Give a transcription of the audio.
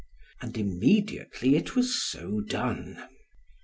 And immediately it was so done.